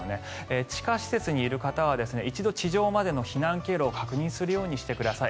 地下施設にいるからは一度、地上までの避難経路を確認するようにしてください。